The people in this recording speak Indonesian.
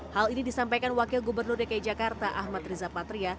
hal ini disampaikan wakil gubernur dki jakarta ahmad riza patria